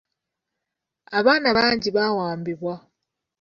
Abaana bangi baawambibwa.